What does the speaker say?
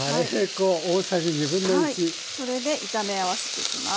それで炒め合わせていきます。